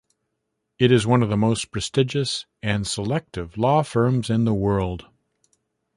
It is one of the most prestigious and selective law firms in the world.